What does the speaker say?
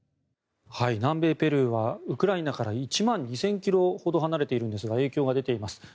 南米ペルーはウクライナから１万２０００ｋｍほど離れているんですが影響が出ています。